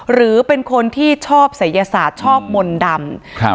หรือเป็นคนที่ชอบศัยศาสตร์ชอบมนต์ดำครับ